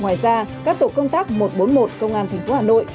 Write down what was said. ngoài ra các tổ công tác một trăm bốn mươi một công an thành phố hà nội